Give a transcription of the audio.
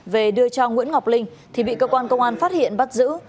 về đưa cho nguyễn ngọc linh thì bị cơ quan công an phát hiện bắt giữ